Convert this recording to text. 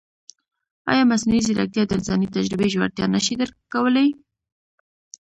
ایا مصنوعي ځیرکتیا د انساني تجربې ژورتیا نه شي درک کولی؟